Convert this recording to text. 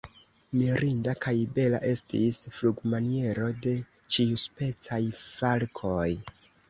Mirinda kaj bela estis flugmaniero de ĉiuspecaj falkoj.